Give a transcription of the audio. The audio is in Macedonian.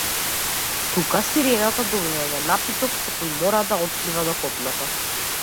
Тука сирената добива еден напиток со кој мора да отплива до копното.